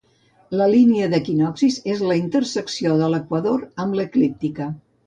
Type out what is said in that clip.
La Línia d'equinoccis és la intersecció de l'equador amb l'eclíptica.